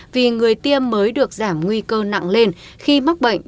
vì người tiêm mới được giảm nguy cơ nặng lên khi mắc bệnh